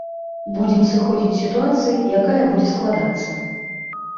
Будзем сыходзіць з сітуацыі, якая будзе складацца.